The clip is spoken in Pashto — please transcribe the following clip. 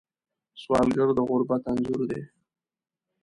سوالګر د غربت انځور دی